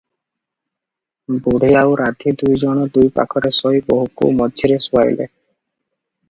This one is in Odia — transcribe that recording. ବୁଢୀ ଆଉ ରାଧୀ ଦୁଇ ଜଣ ଦୁଇ ପାଖରେ ଶୋଇ ବୋହୂକୁ ମଝିରେ ଶୁଆଇଲେ ।